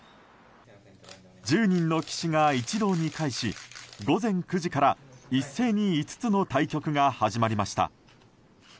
１０人の棋士が一堂に会し午前９時から一斉に５つの対局が始まりました。